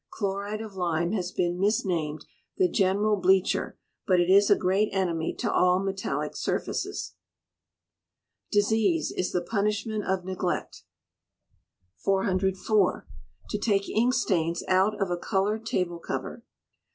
Chloride of lime has been misnamed "The general bleacher," but it is a great enemy to all metallic surfaces. [DISEASE IS THE PUNISHMENT OF NEGLECT.] 404. To take Ink Stains out of a Coloured Table Cover.